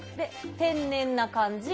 天然な感じ。